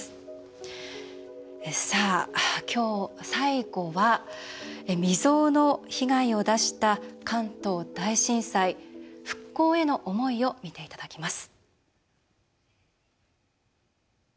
今日、最後は未曽有の被害を出した関東大震災復興への思いを見ていただきます。